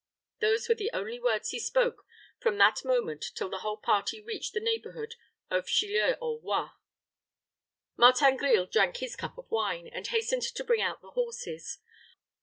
Those were the only words he spoke from that moment till the whole party reached the neighborhood of Chilleurs aux Rois. Martin Grille drank his cup of wine, and hastened to bring out the horses.